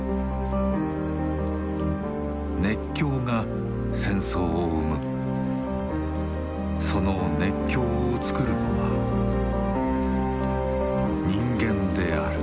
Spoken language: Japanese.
熱狂が戦争を生むその熱狂をつくるのは人間である。